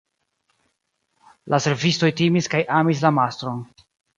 La servistoj timis kaj amis la mastron.